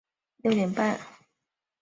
早上六点半才起床